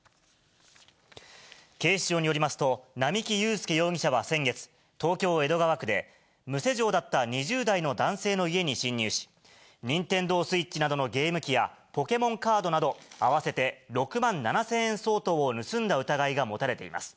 警視庁によりますと、並木裕輔容疑者は先月、東京・江戸川区で、無施錠だった２０代の男性の家に侵入し、ニンテンドースイッチなどのゲーム機や、ポケモンカードなど、合わせて６万７０００円相当を盗んだ疑いが持たれています。